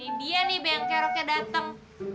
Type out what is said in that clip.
ini dia nih bengkeroknya datang